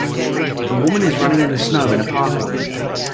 A woman is running in the snow in a parka.